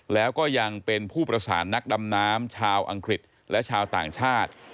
แล้วก็ยังเป็นผู้ประสานนักดำน้ำชาวอังกฤษและชาวต่างชาติ